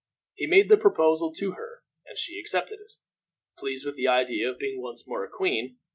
He made the proposal to her, and she accepted it, pleased with the idea of being once more a queen.